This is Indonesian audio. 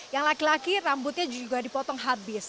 yang laki laki rambutnya juga dipotong habis